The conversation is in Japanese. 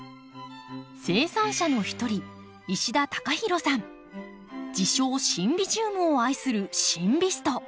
生産者の一人自称シンビジウムを愛するシンビスト。